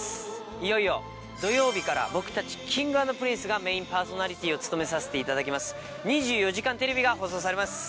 いよいよ土曜日から僕たちＫｉｎｇ＆Ｐｒｉｎｃｅがメインパーソナリティーを務めさせていただきます『２４時間テレビ』が放送されます。